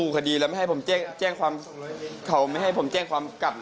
ครับขอไม่ยอมให้แจ้งครับ